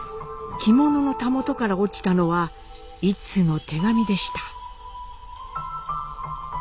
着物のたもとから落ちたのは１通の手紙でした。